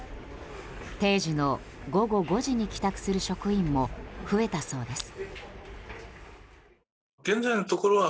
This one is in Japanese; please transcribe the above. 定時の午後５時に帰宅する職員も増えたそうです。